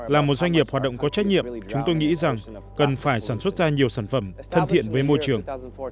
là một doanh nghiệp hoạt động có trách nhiệm chúng tôi nghĩ rằng cần phải sản xuất ra nhiều sản phẩm thân thiện với môi trường